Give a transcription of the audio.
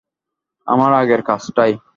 আমার আগের কাজটায়?